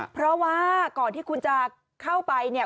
เพราะว่าก่อนที่คุณจะเข้าไปเนี่ย